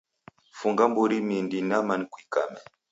Funga mburi mindi nama kuikame